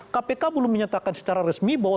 kpk belum menyatakan secara resmi bahwa